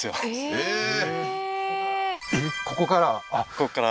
ここから？